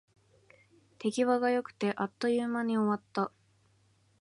手際が良くて、あっという間に終わった